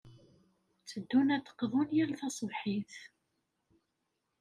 Tteddun ad d-qḍun yal taṣebḥit.